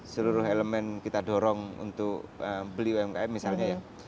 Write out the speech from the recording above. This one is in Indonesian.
seluruh elemen kita dorong untuk beli umkm misalnya ya